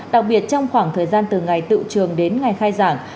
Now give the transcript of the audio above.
đặc biệt trong khoảng thời gian từ ngày tự trường đến ngày khai giảng